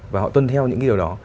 và họ tuân theo những điều đó